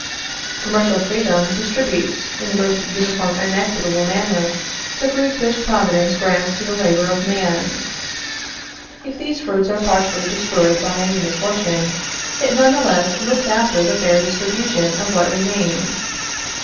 Commercial freedom distributes, in the most uniform and equitable manner, the fruits which Providence grants to the labor of man. If these fruits are partially destroyed by any misfortune, it none the less looks after the fair distribution of what remains.